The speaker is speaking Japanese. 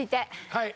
はい。